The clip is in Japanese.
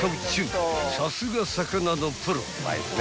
［さすが魚のプロ］